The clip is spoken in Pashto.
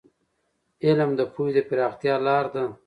علم د پوهې د پراختیا لار ده.